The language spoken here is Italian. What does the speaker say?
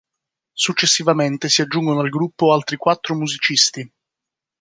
Successivamente si aggiungono al gruppo altri quattro musicisti.